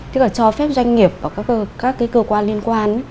tức là cho phép doanh nghiệp và các cơ quan liên quan